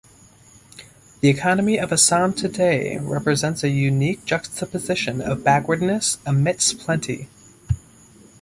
The economy of Assam today represents a unique juxtaposition of backwardness amidst plenty.